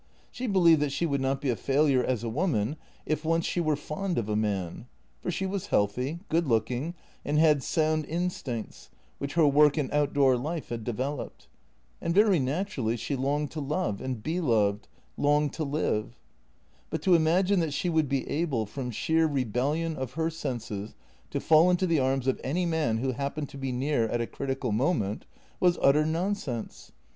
She believed that she would not be a failure as a woman, if once she were fond of a man, for she was healthy, good looking, and had sound instincts, which her work and outdoor life had developed. And very naturally she longed to love and be loved — longed to live. But to imagine that she would be able, from sheer rebellion of her senses, to fall into the arms of any man who happened to be near at a critical mo ment was utter nonsense.